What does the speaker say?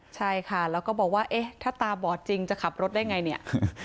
ใช่ค่ะแล้วก็บอกว่าเอ๊ะถ้าตาบอดจริงจะขับรถได้ไงเนี่ย